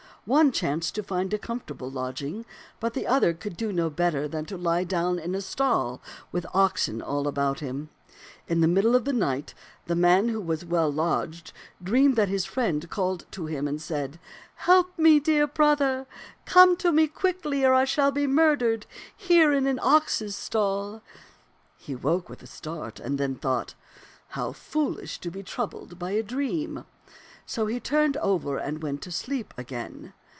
One chanced to find a comfortable lodg ing, but the other could do no better than to lie down in a stall with oxen all about him. " In the middle of the night the man who was 92 €^t (tlm'B {px'mf0 t(xk well lodged dreamed that his friend called to him and said, ' Help me, dear brother ! Come to me quickly, or I shall be murdered here in an ox's stall.' He woke with a start, and then he thought, * How fool ish to be troubled by a dream !' So he turned over and went to sleep again.